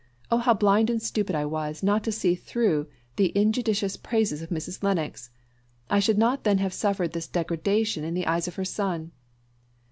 Oh how blind and stupid I was not to see through the injudicious praises of Mrs. Lennox! I should not then have suffered this degradation in the eyes of her son!"